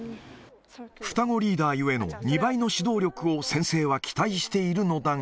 双子リーダーゆえの２倍の指導力を先生は期待しているのだが。